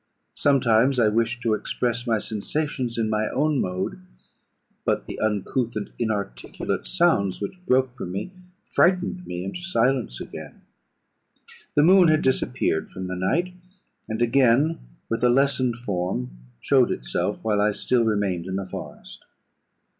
Sometimes I wished to express my sensations in my own mode, but the uncouth and inarticulate sounds which broke from me frightened me into silence again. "The moon had disappeared from the night, and again, with a lessened form, showed itself, while I still remained in the forest.